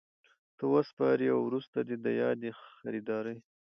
ته وسپاري او وروسته دي د یادي خریدارۍ